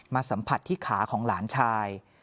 สัมผัสที่ขาของหลานชาย